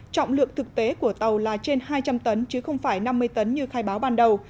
trọng lượng thực tế của tàu là trên hai trăm linh tấn chứ không phải năm mươi tấn như khai báo ban đầu